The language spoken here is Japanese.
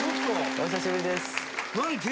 お久しぶりです。